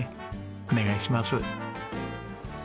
お願いします。